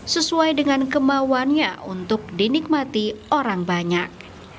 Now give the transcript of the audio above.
sesuai dengan kemauannya untuk dinikmati orang banyak